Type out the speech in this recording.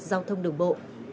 giao thông đường bộ